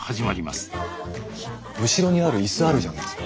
スタジオ後ろにある椅子あるじゃないですか。